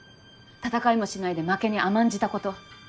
闘いもしないで負けに甘んじたこと。